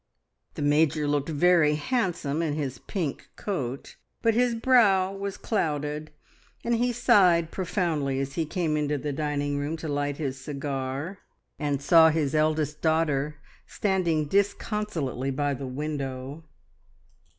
The Major looked very handsome in his "pink" coat, but his brow was clouded, and he sighed profoundly as he came into the dining room to light his cigar, and saw his eldest daughter standing disconsolately by the window.